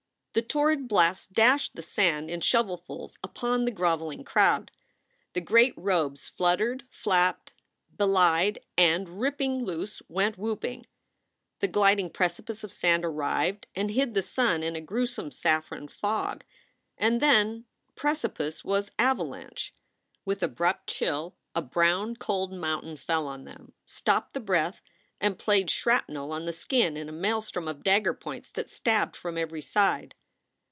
The torrid blast dashed the sand in shovelfuls upon the groveling crowd. The great robes fluttered, flapped, bellied, and, ripping loose, went whooping. The gliding precipice of sand arrived and hid the sun in a gruesome saffron fog. And then precipice was avalanche. With abrupt chill, a brown cold mountain fell on them, stopped the breath, and played shrapnel on the skin in a maelstrom of dagger points that stabbed from every side.